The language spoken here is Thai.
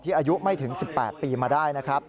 อายุไม่ถึง๑๘ปีมาได้นะครับ